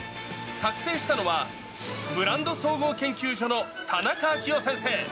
作成したのは、ブランド総合研究所の田中章雄先生。